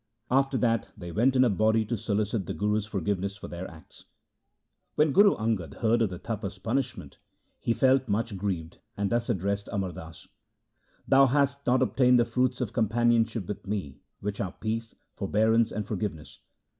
After that they went in a body to solicit the Guru's forgiveness for their acts. When Guru Angad heard of the Tapa's punish ment, he felt much grieved and thus addressed Amar Das :' Thou hast not obtained the fruits of companionship with me, which are peace, forbear ance, and forgiveness.